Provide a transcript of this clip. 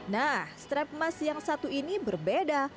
nah strap emas yang satu ini berbeda